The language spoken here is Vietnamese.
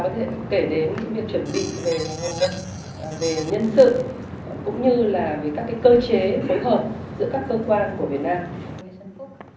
và có thể kể đến những việc chuẩn bị về nhân sự cũng như là các cơ chế phối hợp giữa các cơ quan của việt nam